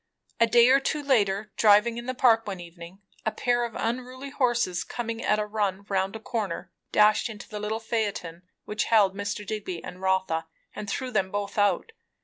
A day or two later, driving in the Park one evening, a pair of unruly horses coming at a run round a corner dashed into the little phaeton which held Mr. Digby and Rotha, and threw them both out.